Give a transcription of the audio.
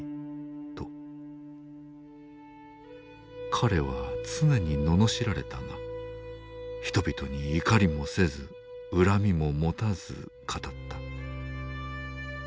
彼は常に罵られたが人々に怒りもせず恨みも持たず語った。